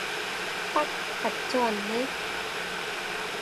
딱 맞춰 왔네.